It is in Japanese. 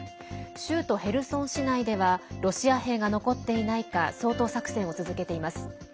州都ヘルソン市内ではロシア兵が残っていないか掃討作戦を続けています。